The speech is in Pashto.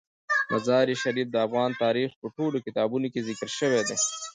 مزارشریف د افغان تاریخ په ټولو کتابونو کې ذکر شوی دی.